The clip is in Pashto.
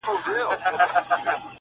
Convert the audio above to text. چې خپله تُوره مې په خپله وينه سره راؤړې